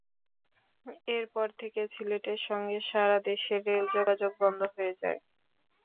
এরপর থেকে সিলেটের সঙ্গে সারা দেশের রেল যোগাযোগ বন্ধ হয়ে যায়।